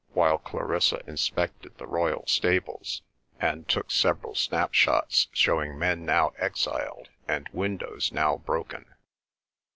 while Clarissa inspected the royal stables, and took several snapshots showing men now exiled and windows now broken.